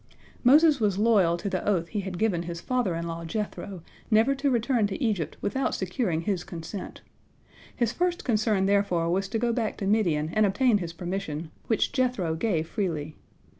Moses was loyal to the oath he had given his father in law Jethro, never to return to Egypt without securing his consent. His first concern therefore was to go back to Midian and obtain his permission, which Jethro gave freely.